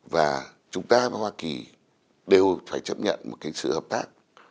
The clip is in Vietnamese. và chúng ta và hoa kỳ đều phải chấp nhận một cái sự hợp tác